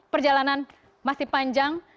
perjalanan masih panjang